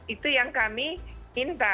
itu yang kami minta